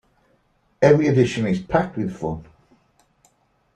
Every edition is packed with fun!